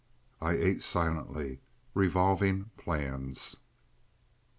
I ate silently, revolving plans.